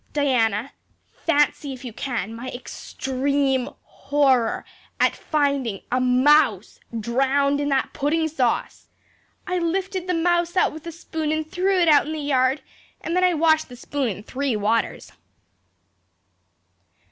Diana, fancy if you can my extreme horror at finding a mouse drowned in that pudding sauce! I lifted the mouse out with a spoon and threw it out in the yard and then I washed the spoon in three waters.